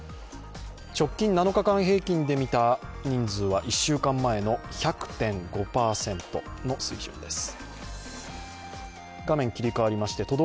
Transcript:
直近７日間平均で見た人数は１週間前の１００．５％の数字です。